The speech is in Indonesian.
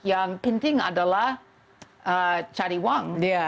yang penting adalah cari uang